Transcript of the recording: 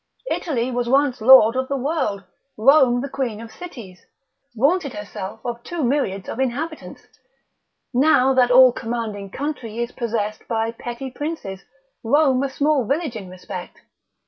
Italy was once lord of the world, Rome the queen of cities, vaunted herself of two myriads of inhabitants; now that all commanding country is possessed by petty princes, Rome a small village in respect.